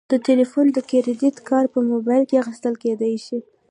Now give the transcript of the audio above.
د تلیفون د کریدت کارت په موبایل کې اخیستل کیدی شي.